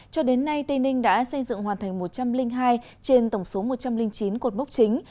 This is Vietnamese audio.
cho đến nay tây ninh đã xây dựng hoàn thành một trăm linh hai trên tổng số một trăm linh chín cột mốc chính